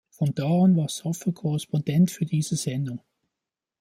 Von da an war Safer Korrespondent für diese Sendung.